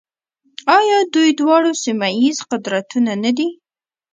آیا دوی دواړه سیمه ییز قدرتونه نه دي؟